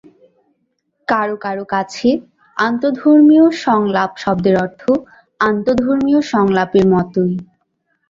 কারো কারো কাছে, আন্তঃধর্মীয় সংলাপ শব্দের অর্থ আন্তঃধর্মীয় সংলাপের মতই।